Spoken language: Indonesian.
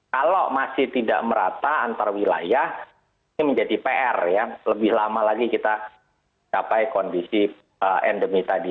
kalau masih tidak merata antar wilayah ini menjadi pr ya lebih lama lagi kita capai kondisi endemi tadi